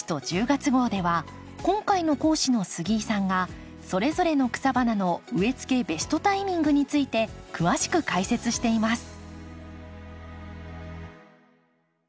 月号では今回の講師の杉井さんがそれぞれの草花の植えつけベストタイミングについて詳しく解説しています。